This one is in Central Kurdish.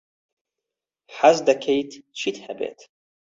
حەز دەکەیت چیت هەبێت؟